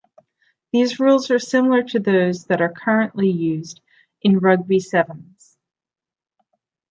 These rules are similar to those that are currently used in Rugby sevens.